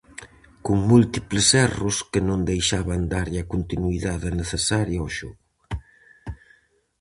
Con múltiples erros que non deixaban darlle a continuidade necesaria o xogo.